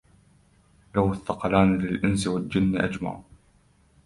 لو الثقلان الإِنس والجن أجمعوا